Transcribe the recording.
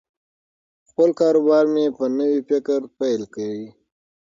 خپل کاروبار مې په نوي فکر پیل کړ.